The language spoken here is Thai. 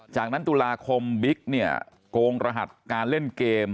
จากนั้นตุลาคมบิ๊กเนี่ยโกงรหัสการเล่นเกม